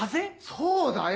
⁉そうだよ！